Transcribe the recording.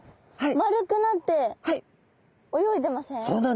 丸くなって泳いでません？